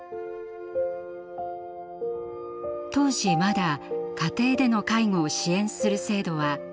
当時まだ家庭での介護を支援する制度はほとんどありませんでした。